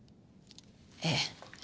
ええ。